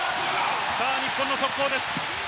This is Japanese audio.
日本の速攻です。